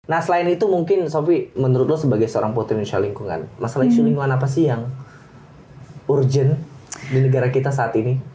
nah selain itu mungkin sofi menurut lo sebagai seorang putri indonesia lingkungan masalah isu lingkungan apa sih yang urgent di negara kita saat ini